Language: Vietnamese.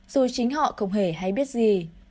dù chính họ không hề hay biết gì